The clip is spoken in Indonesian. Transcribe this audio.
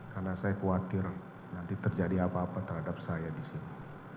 karena saya khawatir nanti terjadi apa apa terhadap saya disini